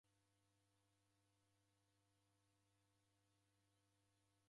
Odeogha bafunyi.